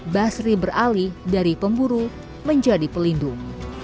basri beralih dari pemburu menjadi pelindung